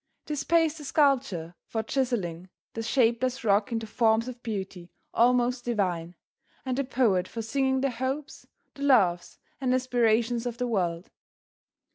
This pays the sculptor for chiseling the shapeless rock into forms of beauty almost divine, and the poet for singing the hopes, the loves and aspirations of the world.